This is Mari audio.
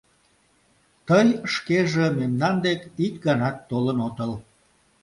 Тый шкеже мемнан дек ик ганат толын отыл...